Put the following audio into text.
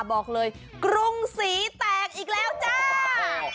บอกเลยกรุงศรีแตกอีกแล้วจ้า